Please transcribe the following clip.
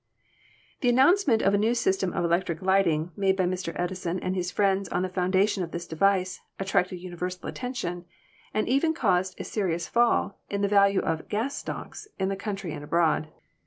"The announcement of a new system of electric light ing, made by Mr. Edison and his friends on the foundation of this device, attracted universal attention, and even caused a serious fall in the value of 'gas stocks' in this country and abroad.